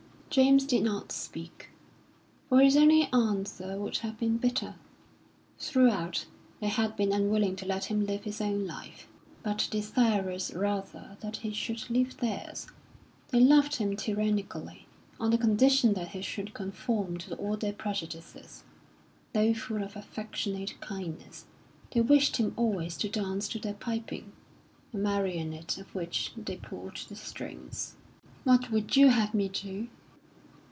James did not speak, for his only answer would have been bitter. Throughout, they had been unwilling to let him live his own life, but desirous rather that he should live theirs. They loved him tyrannically, on the condition that he should conform to all their prejudices. Though full of affectionate kindness, they wished him always to dance to their piping a marionette of which they pulled the strings. "What would you have me do?"